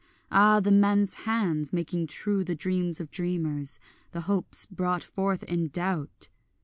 Ah the men's hands making true the dreams of dreamers, The hopes brought forth in doubt!